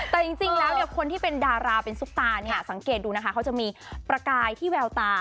แต่จริงแล้วเนี่ยคนที่เป็นดาราเป็นซุปตาเนี่ยสังเกตดูนะคะเขาจะมีประกายที่แววตา